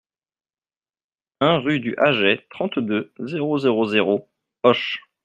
un rue du Haget, trente-deux, zéro zéro zéro, Auch